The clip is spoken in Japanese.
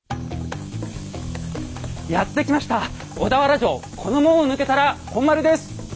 やって来ました小田原城この門を抜けたら本丸です！